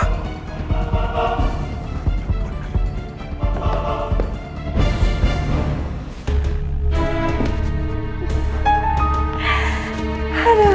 kita terus bekerja